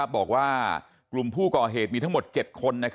บอกว่ากลุ่มผู้ก่อเหตุมีทั้งหมด๗คน